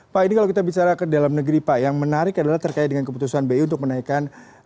pak ini kalau kita bicara ke dalam negeri pak yang menarik adalah terkait dengan keputusan bi untuk menaikkan